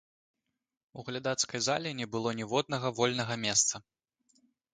У глядацкай зале не было ніводнага вольга месца.